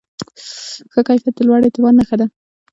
ښه کیفیت د لوړ اعتماد نښه ده.